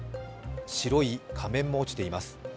白い仮面も落ちています。